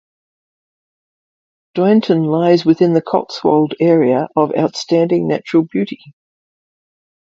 Doynton lies within the Cotswold Area of Outstanding Natural Beauty.